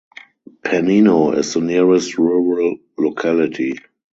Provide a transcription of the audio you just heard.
Panino is the nearest rural locality.